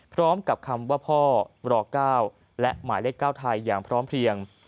พร้อมกับคำว่าพ่อร๙และหมายเลข๙ไทยอย่างพร้อมเพลียง